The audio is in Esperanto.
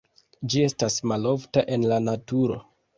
Ĝi estas malofta en la naturo.